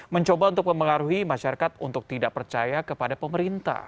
mencoba untuk memengaruhi masyarakat untuk tidak percaya kepada pemerintah